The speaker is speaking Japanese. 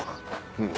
うん。